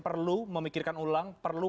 perlu memikirkan ulang perlu